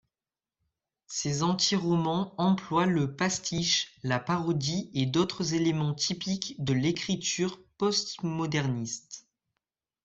Ses antiromans emploient le pastiche, la parodie et d'autres éléments typiques de l'écriture postmoderniste.